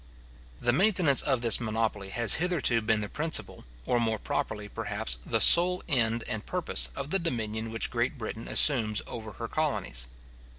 The maintenance of this monopoly has hitherto been the principal, or more properly, perhaps, the sole end and purpose of the dominion which Great Britain assumes over her colonies.